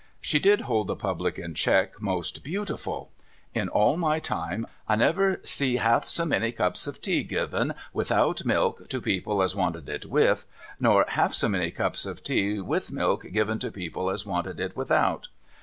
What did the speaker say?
She did hold the public in check most Iicautiful ! In all my time, I never see half so many cups of tea given without milk to people as wanted it with, nor half so many cups of tea with milk given to people as wanted it without.